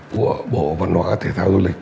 của bộ văn hóa thể thao du lịch